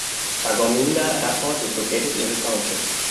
Thargomindah Airport is located near the township.